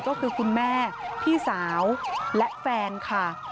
ก็คือคุณแม่พี่สาวและแฟนค่ะ